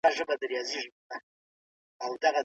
خپل برېښنا خوندي وکاروه.